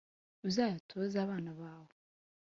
uzayatoze abana bawe;